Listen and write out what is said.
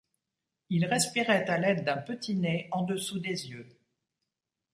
Il respirait à l'aide d'un petit nez en dessous des yeux.